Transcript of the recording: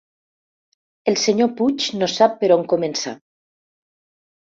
El senyor Puig no sap per on començar.